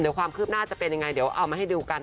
เดี๋ยวความคืบหน้าจะเป็นยังไงเดี๋ยวเอามาให้ดูกัน